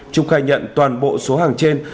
trung khai nhận toàn bộ số hàng trên